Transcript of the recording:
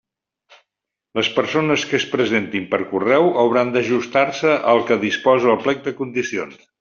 Les persones que es presentin per correu hauran d'ajustar-se al que disposa el plec de condicions.